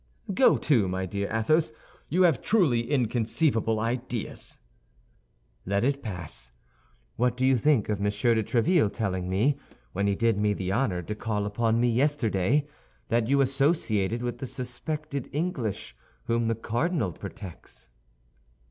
"Go to, my dear Athos; you have truly inconceivable ideas." "Let it pass. What do you think of Monsieur de Tréville telling me, when he did me the honor to call upon me yesterday, that you associated with the suspected English, whom the cardinal protects?"